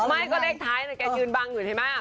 ไม่ก็เลขท้ายมันก็ยืนบังอยู่ในมาก